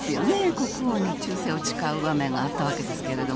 国王に忠誠を誓う場面があったわけですが。